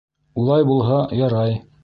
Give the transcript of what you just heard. — Улай булһа, ярай.